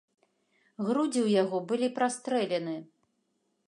Грудзі ў яго былі прастрэлены.